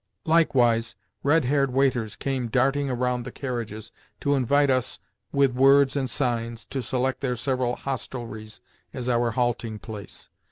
Likewise, red haired waiters came darting around the carriages to invite us, with words and signs, to select their several hostelries as our halting place.